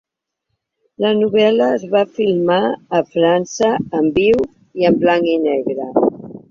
La novel·la es va filmar a França en viu i en blanc i negre.